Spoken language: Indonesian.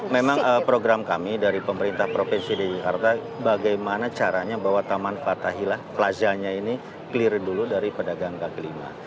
memang program kami dari pemerintah provinsi dki jakarta bagaimana caranya bahwa taman fathahila plazanya ini clear dulu dari pedagang kaki lima